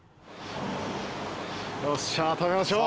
よっしゃ食べましょう。